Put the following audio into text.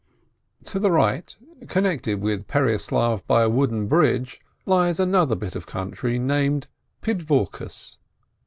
To the right, connected with Pereyaslav by a wooden bridge, lies another bit of country, named — Pidvorkes.